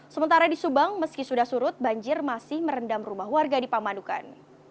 sementara di subang meski sudah surut banjir masih merendam rumah warga di pamanukan